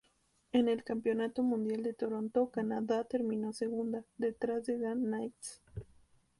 En el campeonato mundial de Toronto, Canadá terminó segunda, detrás de Dan Knights.